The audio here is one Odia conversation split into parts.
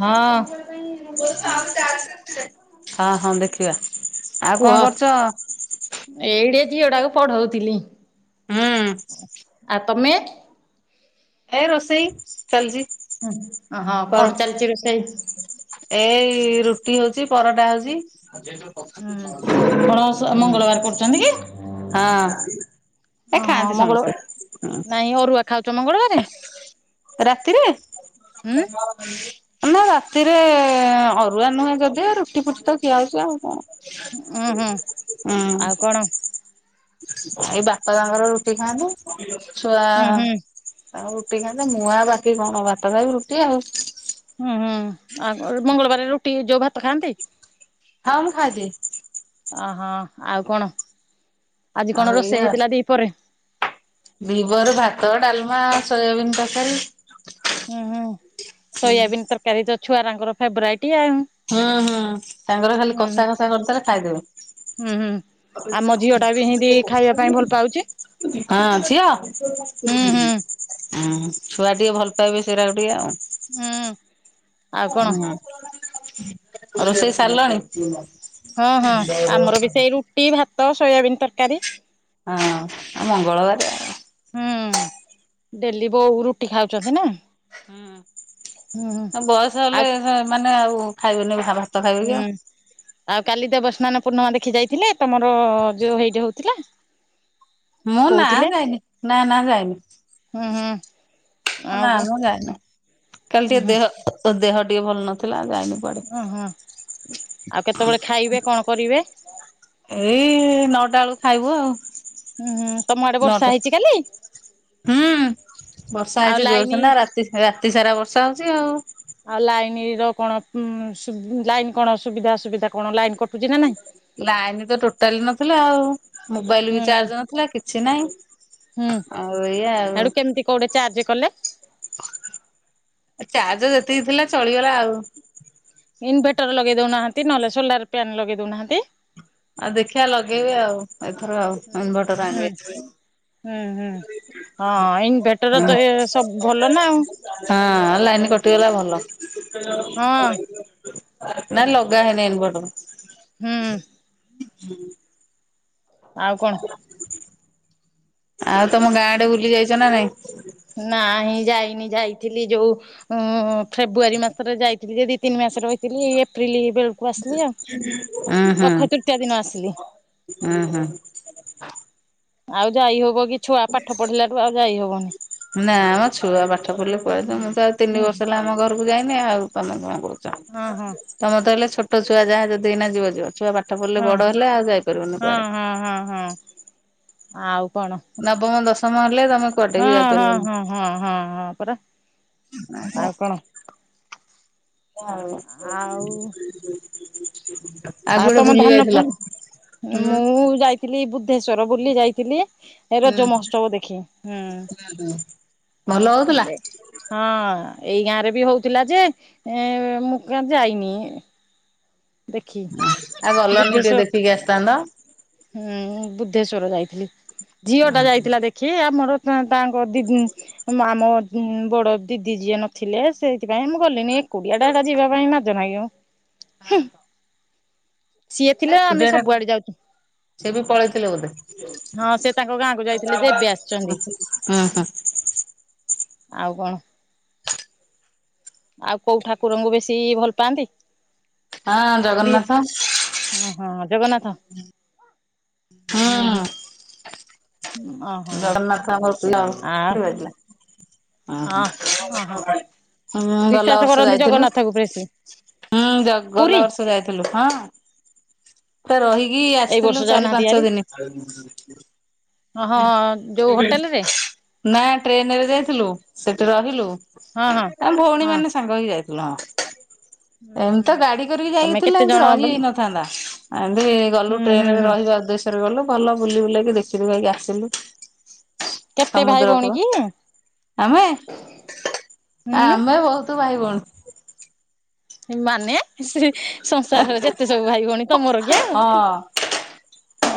ହଁ ହେଲୋ ହଁ ହଁ ଦେଖିବା। ଆଉ କୁହ କଣ କରୁଚ? ଝିଅଟାକୁ ପଢଉଥିଲି। ହୁଁ। ଆଉ ତମେ? ଏ ରୋଷେଇ ଚାଲଚି। ହଁ କଣ କର। ଚାଲିଛି ରୋଷେଇ ଏଇ ରୁଟି ହଉ ଛି ପରଟା ହଉଛି। କଣ ମଙ୍ଗଳବାର କରୁଛନ୍ତି କି? ହଁ। ଏ ହଁ ଖାଆନ୍ତି ମଙ୍ଗଳ ସମସ୍ତେ। ନାଇଁ ଅରୁଆ ଖାଉଛ ମଙ୍ଗଳବାରେ ରାତିରେ? ହୁଁ ନା ରାତିରେ ଅରୁଆ ନୁହେଁ ଯଦିଓ ରୁଟି ଫୁଟି ତ ଖିଆ ହଉଛି ଆଉ ଉଁ ହୁଁ କଣ? ହୁଁ। ଆଉ କଣ? ଏଇ ବାପା ତାଙ୍କର ରୁଟି ଖାଆନ୍ତି, ଛୁଆ ହୁଁ ହୁଁ ଆଉ ରୁଟି ଖାଆନ୍ତି, ମୁଁ ଆଉ ବାକି କଣ ଭାତ ଖାଇବି ରୁଟି ଆଉ। ହୁଁ ହୁଁ ଆଉ ମଙ୍ଗଳବାର ରୁଟି ଯୋଉ ଭାତ ଖାଆନ୍ତି? ହ ମୁଁ ଖାଇଦିଏ। ଓହୋ ଆଉ କଣ, ଆଜି ଆଉ କଣ ରୋଷେଇ ଏଇଆ ହେଇଥିଲା ଦିପହରେ? ଦିପହରେ ଭାତ ଡାଲମା ସୋୟାବିନ୍ ତରକାରୀ। ହୁଁ ହୁଁ ସୋୟାବିନ୍ ତରକାରୀ ତ ଛୁଆରାଙ୍କର ଫେଵରାଇଟି ଆଉ। ହୁଁ ହୁଁ ତାଙ୍କର ଖାଲି ହୁଁ ହୁଁ କଷା କଷା କରିଦେଲେ ଖାଇଦେବ। ହୁଁ ହୁଁ ଆମ ଝିଅ ଟା ବି ହେନ୍ତି ଖାଇବା ପାଇଁ ଭଲ ପାଉଛି। ହଁ ଝିଅ। ହୁଁ ହୁଁ ହ ଛୁଆ ଟିକେ ଭଲ ପାଇବେ ସେଇରାକୁ ଟିକେ ଆଉ। ହୁଁ ଆଉ କଣ? ହୁଁ। ରୋଷେଇ ସାରିଲଣି? ହଁ ହଁ ଆମର ବି ସେଇ ରୁଟି ଭାତ ସୋୟାବିିନ ତରକାରୀ। ହଁ ମଙ୍ଗଳବାରେ ଆ ହୁଁ ଡେଲି ବୋଉ ରୁଟି ଖାଉଛନ୍ତି ନା। ହୁଁ ବୟସ ଆଉ ହେଲେ ମାନେ ଆଉ ଖାଇବେନି ଭା ହୁଁ ଆଉ କାଲି,, ଦେବସ୍ନାନ ପୂର୍ଣ୍ଣିମା ଦେଖି ଯାଇଥିଲେ? ତମର ଯଉ ହେଇଠେ ହଉଥିଲା। ମୁଁ ନା କହୁଥିଲେ ଯାଇନି ନା ନା ଯାଇନି। ଁ ନା ଆ ମୁଁ ଯାାଇନି କାଲି ହୁଁ ଟିକେ ହୁଁ ଦେହ ଦେହ ଟିକେ ଭଲ ନଥିଲା। ଯାଇନି କୁଆଡେ। ଓ ହଁ ଆଉ କେତେବେଳେ ଖାଇବେ କଣ କରିବେ ଏଇ ନଅଟା ବେଳୁକୁ ଖାଇବୁ ଆଉ। ହୁଁ ହୁଁ ତମ ଆଡେ ନଅଟା ବର୍ଷା ହେଇଛି କାଲି? ହୁଁ ବର୍ଷା ଆଉ ହେଇଛି ଲାଇନ ଜୋରସେ ନା ରାତି ରାତିସାରା ବର୍ଷା ହଉଛି ଆଉ। ଆଉ ଲାଇନ ର କଣ ଉ ଲାଇନ୍ କଣ ସୁବିଧାସୁବିଧା କଣ? ଲାଇନ୍ କ ଜି ନା ନାହିଁ। ଲାଇନ ତ ଟୋଟାଲ ନଥିଲା ଆଉ ମୋବାଇଲ ବି ହୁଁ ଚାର୍ଜ ନଥିଲା କିଛି ନାହିଁ। ହୁଁ ଆଉ ଏଇଆ ହେଡୁ ଆଉ। କେମିତି କୋଉଟେ ଚାର୍ଜ କଲେ, ଚାର୍ଜ ଯେତିକି ଥିଲା ଚଳିଗଲା ଆଉ। ଇନଭେଟର ଲଗେଇ ଦଉନାହାନ୍ତି ନହେଲେ ସୋଲାର ଫ୍ୟାନ୍ ଲଗେଇ ଦଉନାହାନ୍ତି । ଆଉ ଦେଖିଆ ଲଗେଇବି ଆଉ ଏଥର ଆଉ ଇନଭଟର ହୁଁ ଆଣିବି । ହୁଁ ହୁଁ ହଁ ଇନଭେଟର ତ ଏ ସବୁ ଭଲ ନା ଆଉ । ହଁ ଲାଇନ୍ କଟିଗଲା ଭଲ ହଁ । [inaudible] ନା ଲଗା ହେଇନି ଇନଭଟର। ହୁଁ [inaudible] ହୁଁ ଆଉ କଣ? ଆଉ ତମ ଗାଁଆଡେ ବୁଲି ଯାଇଚ ନା ନାଇଁ? ନାଇଁ ଯାଇନି ଯାଇଥିଲି ଯୋଉ ଉ ଫେବୃୁଆାରୀ ମାସରେ ଯାଇଥିଲି ଯେଦି ତିନି ମାସରେ ରହିଥିଲି ଏପ୍ରିଲ ବେଳକୁ ଆସିଲି ଆଉ । ଉଁ ହଁ ହମ୍ଁ ହଁ ହମ୍ଁ [inaudible] ଆଉ ଯାଇ ହବ କି ଛୁଆ ପାଠ ପଢିଲାଠୁ ଆଉ ଯାଇ ହବ । ନା ଆମ ଛୁଆ ପାଠ ପଢିଲେ କୁଆ ନ୍ତ ମୁଁ ତ ଆଉ ତିନି ହୁଁ ବର୍ଷ ହେଲା ଆମ ଘରକୁ କୁ ଯାଇନି ଆଉ ତମେ କଣ ହଁ ହଁ କହୁଛ ତମେତ ହେଲେ ଛୋଟ ଛୁଆ ଯାହା ଯଦି ଏଇନା ଯିବ ଯିବ ଛୁଆ ପା ଠ ପଢ଼ିଲେ ହଁ ବଡ ହେଲେ ଆଉ ଯାଇପାରିବନି ହଁ କୁଆଡେ ହଁ ହଁ ହଁ । ଆଉ । ନବମ, ଦଶମ । ହଁ ହଁ ହଁ ହଁ ହଁ ହଁ ପରା । ଆଉ କଣ? [inaudible] ହଁ ଆଉ [unintelligible] ଆଉ ତମ ଧାନ ଫୁଣି ହୁଁ ମୁଁ ଯାଇଥିଲି । ବୁଦ୍ଧେଶ୍ଵର ବୁଲି ଯାଇଥିଲି । ଏ ରଜ ମହୋତ୍ସବ ଦେଖି, ହୁଁ ଭଲ ହଉଥିଲା? । [inaudible] ହଁ । ଏଇ ଗାଁ ରେ ବି ହଉଥିଲା। ଯେ ମୁଁ କିଆଁ ଯାଇନି । ଦେଖି ଆଉ ଗଲନି ଟିକେ ବୁଦ୍ଧେଶେ ଦେଖିକି ଆସିଥାନ୍ତ। ହୁଁ ବୁଦ୍ଧେଶ୍ଵର ଜାଇ। ଝିଅ ଟା ଯାଇଥିଲା ଦେଖି ଆମର ତା ତାଙ୍କ ଦିଦି ଆମ ବଡ଼ ଦିଦି ଯିଏ ନଥିଲେ ସେଇଥିପାଇଁ ମୁଁ ଗଲିନି ଏକୁଟିଆ ଟା ଏଟା ଯିବା ପାଇଁ ଜ ନାଗିବ। ହଁ ତ। ସିଏ ଥିଲେ ଆମେ ସବୁଆଡେ ଯାଉଚୁ। ସେ ବି ପଳେଇଥିଲେ ବୋଧେ [inaudible] ସେ ତାଙ୍କ ଗାଁକୁ ଯାଇଥିଲେ ହ ଯେ ଏବେ ଆସିଛନ୍ତି ହ । [inaudible] ଆଉ କଣ? [inaudible] ଆଉ କୋଉ ଠାକୁରଙ୍କୁ ବେଶୀ ଭଲ ପାଆନ୍ତି? ହଁ ପ୍ରିୟ ଜଗନ୍ନାଥ । ହଁ ହଁ [inaudible] ଜଗନ୍ନାଥ ହୁଁ। ହୁଁ ହୁଁ। ଓହୋ । ହଠି ବାିଲା ଅ ଓହୋ। ଓହୋ ହୁଁ ଗଲା ବିଶ୍ଵାସ ବର୍ଷ କରନ୍ତି ଯାଇଥିଲୁ ଜଗନ୍ନାଥଙ୍କୁ ବେଶୀ । ହୁଁ ଗ ଗଲା ପୁରୀ ବର୍ଷ ଯାଇଥିଲୁ । ହଁ । [inaudible] ତ ରହିକି ଏଇ ବର୍ଷ ଆସିଥିଲୁ ଚାରି ଯାଉନାହାନ୍ତି ପାଞ୍ଚ, ହାରି ଦିନି। ହଁ ଯୋଉ ହୋଟେଲରେ [inaudible] ନା ଟ୍ରେନରେ ଯାଇଥିଲୁ ସେଠି ରହିଲୁ ହଁ । ହଁ [inaudible] ଆମେ ଭଉଣୀ ହଁ ମାନେ ସାଙ୍ଗ ହେଇ ଯାଇଥିଲୁ । ହଁ । [inaudible] ଏମିତି ତ ଗାଡି କରିକି ତମେ ଯାଇଥିଲେ କେତେ ଏମତି ଜଣ ରହି ହୁଁ ହେଇ ନଥାନ୍ତା ଏମିତି ଗଲୁ ହୁଁ ଟ୍ରେନ ରେ ହୁଁ ରହିବା ଉଦ୍ଦେଶ୍ୟ । ଗଲୁ ଭଲ ବୁଲି ବୁଲାକି ଦେଖି ଦୁଖାକି ଆସିଲୁ । କେତେ ଭାଇ ସମୁଦ୍ର ଭଉଣୀ କୂଳ କି? ଆମେ [inaudible] ହୁଁ ଆମେ ବହୁତୁ ଭାଇ ଭଉଣି। [inaudible] ମାନେ ସ୍ରି ସଂସାରର ଯେତେ ସବୁ ଭାଇ ଭଉଣୀ ତମର କି ଆଉ। ହଁ।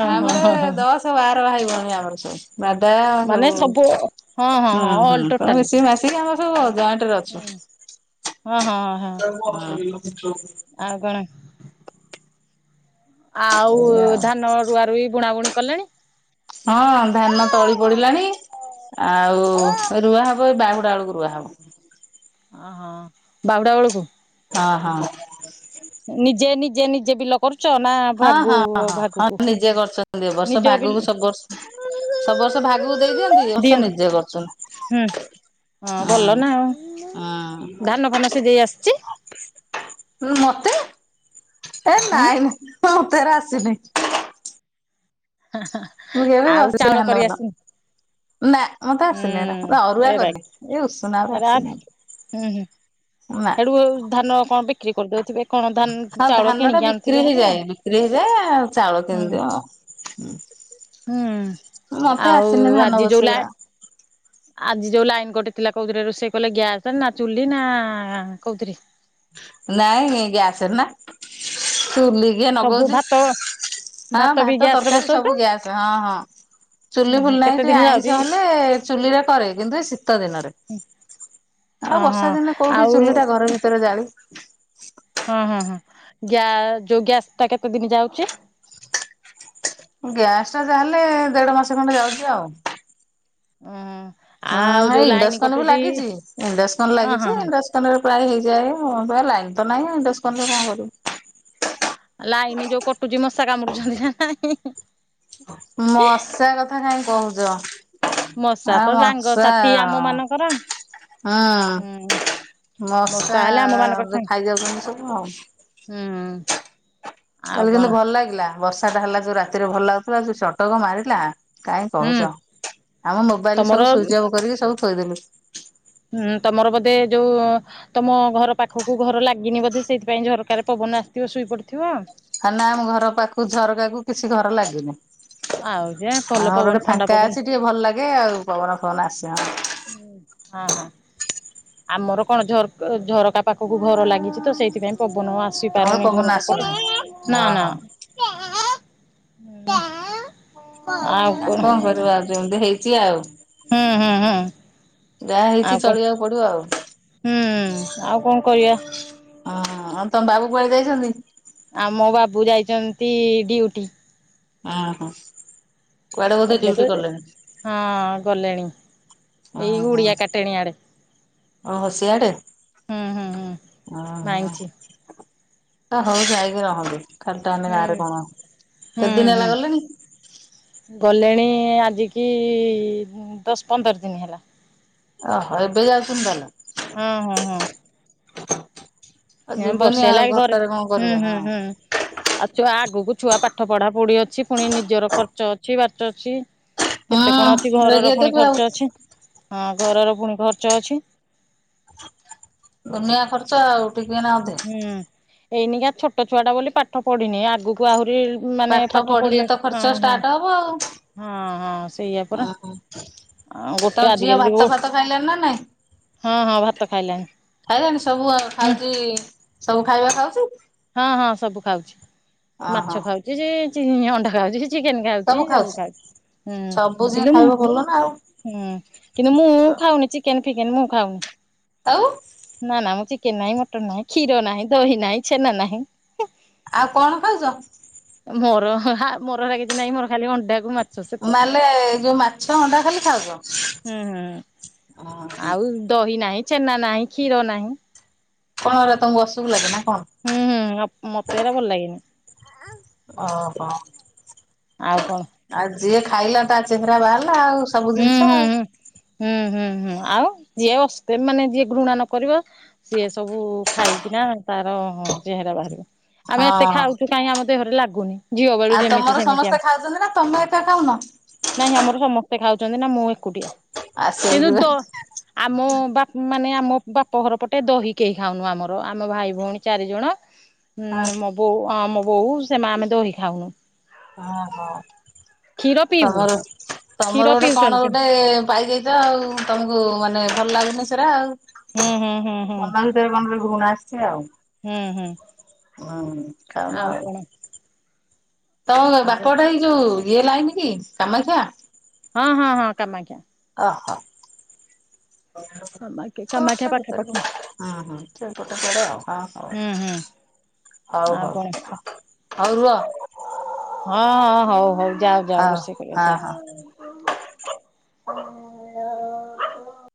ଓହୋ ହୋ ଆମର ହୋ ଦଶ ବାର ଭାଇ ଭଉଣୀ ଆମର। ସବୁ ଦାଦା ସବୁ ହଁ ହଁ ହୁଁ ହଁ ଅଲ ହୁଁ ସବୁ ଟୋଟାଲି ମିଶି ମାଶିକି ଆମର ସବୁ ଜଏଣ୍ଟରେ ଅଛୁ। ଓ ହୋ । କଣ [inaudible] ଆଉ ଏଇଆ ଆଉ। ଧାନ ରୁଆ ରୁଇ ବୁଣାବୁଣି କଲେଣି? ହଁ ଧାନ ତଳି ପଡିଲାଣି ଆଉ ରୁଆ ହବ। ବାହୁଡ଼ା ବେଳକୁ ରୁଆ ହବ। ଓହୋ ବାହୁଡା ବେଳକୁ। ହଁ ହଁ। ନିଜେ ନିଜେ ନିଜେ ବିଲ କରୁ ହଁ ହଁଁ ହଁ ହଁ ନିଜେ କରଛନ୍ତି ଏବର୍ଷ ନିଜ ବିଲ ଭାଗକୁ ସବୁ ବର୍ଷ ସବୁ ବର୍ଷ ଭାଗକୁ ଦେଇ ଦିଅନ୍ତି ଏବର୍ଷ ନିଜେ ହୁଁ କରୁଛନ୍ତି। ହଁ ଭଲ ହୁଁ। ନା ଆଉ ଧାନ ଫାନ ସିଝେଇ ଆସିଚି? ଉଁ ମତେ ଏ ହୁଁ ନାଇଁ ମତେ ହେରା ଆସିନି। ମୁଁ କେବେ ଆଉ ବସେଇନି ଚାଉଳ ଧାନ କରି ଫାନ। ଆସିନି ନା ମତେ ଆସିନି ଏରା ମୁଁ ହୁଁ ଅରୁଆ ଏରା କଲିି ଏଇ ଉଷୁନାଗୁରା ଏରା ଆସିନାି ହୁଁ ହୁଁ ହେଡୁ ଧାନ କଣ ବିକ୍ରି କରିଦଉଥିବେ। କଣ ଧାନ ହଁ ଚାଉଳ ଧାନ ଟା କିଣିକି ଆଣୁଥିବେ ବିକ୍ରି ହେରି ଆଉ ହେଇଯାଏ ବିକ୍ରି ହେଇଯାଏ ଚାଉଳ ହୁଁ କିନିଦଉ ଆଉ। ହୁଁ ମତେ ଆଉ ଆସିନି ଧାନ ଆଜି ଯୋଉ ଲା ବସେଇବା। ଆଜି ଯୋଉ ଲାଇନ କଟିଥିଲା କୋଉଥିରେ ରୋଷେଇ କଲେ ଗ୍ୟାସ ନା ଚୁଲି ନା କଉଥିରେ? ନାଇଁ ଗ୍ୟାସ ରେ ନା ଚୁଲିି କିଏ ସବୁ ନଗଉଚି। ଭାତ ହଁ ବି ଭାତ ଗ୍ୟାସ ରେ ତରକାରୀ ବସଉଛ ସବୁ ଗ୍ୟାସ ହଁ ହଁ। ଚୁଲି ଫୁଲି ନାହିଁ କେତେ ଟିକେ ଦିନ ଯାଉଛି? ଆଇଁଷ ହେଲେ ଚୁଲିରେ କରେ କିନ୍ତୁ ଏ ଶୀତ ଦିନରେ। ଆଉ ଓହୋ ବର୍ଷା ଦିନେ କୋଉଠି ଆଉ ଚୁଲି ଟା ଘର ଭିତରେ ଜାଳିବୁ। ହଁ ହଁ ହଁ ଗ୍ୟା ଯୋଉ ଗ୍ୟାସ ଟା କେତେ ଦିନ ଯାଉଚି? ଗ୍ୟାସ ଟା ଯାହାଲେ ଦେଢ ମାସ ଖଣ୍ଡେ ଯାଉଚି ଆଉ। ଉଁ। ଆଉ ହଁ ଯୋଉ ଲାଇନ ଇଣ୍ଡସ୍କନ ବି କଟୁଛି ଲାଗିଛି ଇଣ୍ଡସ୍କନ ହଁ ଲାଗିଛି ହଁ ହଁ। ଇଣ୍ଡସ୍କନ୍ ରେ ପ୍ରାୟ ହେଇଯାଏ ଆଉ ପ୍ରାୟ ଲାଈନ୍ ତ ନାଇଁ ଇଣ୍ଡକ୍ସନ ରେ କଣ କରିବୁ। ଲାଇନ ଯୋଉ କଟୁଚି ମଶା କାମୁଡୁଛନ୍ତି ନା ନାହିଁ ହିଁ ହିଁ। ମଶା କଥା କାଇଁ କହୁଚ। ମଶା ଆଉ ତ ମଶା ସାଙ୍ଗସାଥି ଆମ ମାନଙ୍କର। ହଁ ହୁଁ ମଶା ହେଲେ ଆମ ମାନଙ୍କର ଯଉ ସାଙ୍ଗ ଖାଇ ଯାଉଚନ୍ତି ସବୁ ଆଉ। ହୁଁ ଆଉ କାଲି କଣ କିନ୍ତୁ ଭଲ ଲାଗିଲା ବର୍ଷା ଟା ହେଲା ଯୋଉ ରାତିରେ ଭଲ ଲାଗୁଥିଲା ଯୋଉ ଚଡକ ମାରିଲା। କାଇଁ ହୁଁ କହୁଚ ଆମ ମୋବାଇଲ ସବୁ ତମର ସୁଇଚ ଅଫ୍ କରିକି ସବୁ ଥୋଇଦେଲୁ। ହୁଁ ତମର ବୋଧେ ଯୋଉ ତମ ଘର ପାଖକୁ ଘର ଲାଗିନି ବୋଧେ ସେଥିପାଇଁ ଝରକା ରେ ପବନ ଫୋନ ଆସିଥିବ ଶୋଇପଡ଼ିଥିବ। ଆ ନା ଆମ ଘର ପାଖକୁ ଝରକାକୁ କିଛି ଘର ଲାଗିନି। ଆଉ ଯେ ଭଲ ଆମର ପବନ ଗୋଟେ ଥଣ୍ଡା ଫାଙ୍କା ପବନ ଅଛି ଟିକେ ଭଲ ଲାଗେ ଆଉ ପବନ ଫବନ ଆସେ ହଁ। ହଁ ହଁ। ଆମର କଣ ଝର ଝରକା ପାଖକୁ ଘର ଲାଗିଚି ତ ସେଇଥିପାଇଁ ପବ ନ ଆସି ତମର ପାରୁନି ପବନ ଝରକା ପଟେ ଆସୁନାହିଁ। ନା ନା। ଓହୋ ଉଁ। ଆଉ କଣ କରିବୁ ଆଉ ଯେମିତି ହେଇଚି ଆଉ। ହୁଁ ହୁଁ ହୁଁ ଯାହା ଆଉ ହେଇଚି କଣ ଚଳିବାକୁ ପଡିବ ଆଉ। ହୁଁ ଆଉ କଣ କରିବା। ହଁ ତମ ବାବୁ କୁଆଡେ ଯାଇଚନ୍ତି? ଆମୋ ବାବୁ ଯାଇଚନ୍ତି ଡିଉଟି। ଓହୋ କୁଆଡେ ବଧେ ଏବେ ତ ଡିଉଟି କଲେଣି? ହଁ ଗଲେଣି ଏଇ ଉଡିଆ କାଟେଣି ଆଡେ, ଓ ହସିିଆଡେ ହୁଁ ହୁଁ ହୁଁ। ଓ ହୋ ମାଇଁଛି ତ ହଉ ଯାଇକି ରହନ୍ତୁ ଖାଲିଟାନ ହୁଁ ଗାଁରେ କଣ କେତେ ହୁଁ ଦିନ ହେଲା ହୁଁ। ଗଲେଣିି। ମାନେ ଆଜି କି ଦଶ ପନ୍ଦର ଦିନ ହେଲା। ଓହୋ ଏବେ ଯାଉଛନ୍ତି ତାହେଲେ ହଁ ହଁ ହଁ ଆଉ ଯିବେନି ବର୍ଷେ ଆଉ ହେଲା ଘରେ ଘରଟାରେ କଣ ହୁଁ କରିବେ ହୁଁ ହଁ। ହୁଁ ଆଉଛୁଆ ଆଗକୁ ଛୁଆ ପାଠ ପଢା ପଢି ଅଛି ପୁଣି ନିଜର ଖର୍ଚ୍ଚ ଅଛି ବାର୍ଚ ଅଛି। କେତେ କଣ ଅଛି ହୁଁ ଘରର ଲଗେଇ ପୁଣି ଦେବେ ଆଉ ଖର୍ଚ୍ଚ ଅଛି। ହଁ ଘରର ପୁଣି ଖର୍ଚ୍ଚ ଅଛି, ଦୁନିଆ ଖର୍ଚ୍ଚ ଆଉ ଟିକେ ନା ଅଧେ ହୁଁ। ଏଇନିକା ଛୋଟ ଛୁଆଟା ବୋଲି ପାଠ ପଢିନି ଆଗକୁ ଆହୁରି ମାନେ ପାଠ ପଢିଲେ ପଢିବେ ତ ହଁ ଖର୍ଚ୍ଚ ହଁ। ଷ୍ଟାର୍ଟ ହବ ହଁ ହଁ ସେଇଆ ଆଉ ପରା ଆଉ ଓହୋ ତମ ଗୋଟେ ଝିଅ ଆଜିକାଲି ଭାତ ହଁ ଫାତ ଖାଇଲାଣିି ନା ନାଇଁ। ହଁ ଭାତ ଖାଇଲାଣି ଖାଇଲାଣି ସବୁ ଆ ହୁଁ ଖାଉଛି ସବୁ ଖାଇବା ଖାଉଛି। ହଁ ହଁ ସବୁ ଖାଉଛି ମାଛ ଓହୋ ଖାଉଛି ସେ ଚି ଅଣ୍ଡା ଖାଉଛି ଚିକେନ ଖାଉଛି ସବୁ ଖାଉଛି ହୁଁ ସବୁ ଯିଏ କିନ୍ତୁ ଖାଇବ ମୁଁ ଭଲ ନା ଆଉ ହୁଁ କିନ୍ତୁ ମୁଁ ଖାଉନି ଚିକେନ। ଚିକେନ ମୁଁ ଖାଉନି ଆଉ ନା ନା ମୁଁ ଚିକେନ ନାହିଁ ମଟନ ନାହିଁ କ୍ଷୀର ନାହିଁ ଦହି ନହିଁ ଛେନା ନାହିଁ ଆଉ କଣ ଖାଉଛ? ମୋର ମୋର [unintelligible] କିଛି ନାଇଁ ମୋର ଖାଲି ଅଣ୍ଡାକୁ ମାଛ ସେତିକି ମାନେ ଯୋଉ ମାଛ ଅଣ୍ଡା ଖାଲି ଖାଉଛ? ହୁଁ -ହୁଁ। ଓହୋ ଆଉ ଦହି ନାହିଁ, ଛେନା ନାହିଁ, କ୍ଷୀର ନାହିଁ କଣ ହେଲା ତମକୁ ଅସୁଖ ଲାଗେ ନା? କଣ ହୁଁ- ହୁଁ ମତେ ଏଇରା ଭଲ ଲାଗେନି। ଓ ହୋ ଆଉ ଯିଏ ଖାଇଲା ତା ଚେହେରା ବାହାରିଲା ଆଉ, ସବୁ ହୁଁ ଜିନିଷ ହୁଁ ଆଉ। ହୁଁ ହୁଁ ହୁଁ ହୁଁ ଆଉ ଯିଏ ଅ [unintelligible] ମାନେ ଯିଏ ଘୃଣା ନ କରିବ ସିଏ ସବୁ ଖାଇକିନା ତାର ଆମେ ଏତେ ହଁ। ଖାଉଛୁ କାହିଁ ଆମ ଦେହରେ ଲାଗୁନି। ଝିଅ ବେଳୁ ଆଉ ଯେମିତି ତମର ସେମିତି ସମସ୍ତେ ଖାଉଛନ୍ତି ନା, ତମେ ଏକା ଖାଉନ? ନାହିଁ ଆମର ସମସ୍ତେ ଖାଉଛନ୍ତି ନା, ମୁଁ ଏକୁଟିଆ। ଆଉ କିନ୍ତୁ ଦ ସେଇଥିପାଇଁ ଆମ ବାପ ମାନେ ଆମ ବାପ ଘର ପଟେ ଦହି କେହି ଖାଉନୁ ଆମର, ଆମ ଭାଇ ଭଉଣୀ ଚାରିଜଣ ହୁଁ ହଁ ମୋ ବୋଉ ଆ ମୋ ବୋଉ ସେ ମା ଆମେ ଦହି ଖାଉନୁ। ହଁ- ହଁ କ୍ଷୀର ପିଇବୁ ତମର ତମର କ୍ଷୀର ଗୋଟେ କଣ ପିଉଛନ୍ତି ସେ ଗୋଟେ ପାଇଯାଇଛ ଆଉ, ତମକୁ ମାନେ ଭଲ ଲାଗୁନି ସେରା ଆଉ। ହୁଁ ହୁଁ ହୁଁ ହୁଁ ମନ ଭିତରେ କଣ ଗୋଟେ ଘୃଣା ଆସେ ହୁଁ- ହୁଁ। ହୁଁ ଖାଇବା ଆଉ। ତମ ବାପ ଆଉ ଘରଟା ଏଇ ଯୋଉ ଇଏ ଲାଇନ କି, କାମାକ୍ଷା । ହଁ- ହଁ- ହଁ କାମାକ୍ଷା । ହ- ହଁ। ହଁ ବା କେ [unintelligible] ହଉ ହୁଁ ହୁଁ ଆଉ ହଉ କଣ ହଉ ରୁହ। ହଁ -ହଁ ହଉ ହଉ ଯାଅ ଯାଅ ହଉ ରୋଷେଇ କରିବ ହଁ ଯାଅ। ହଁ। [unintelligible]